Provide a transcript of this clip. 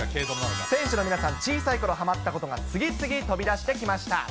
選手の皆さん、小さいころはまったものが、次々飛び出してきました。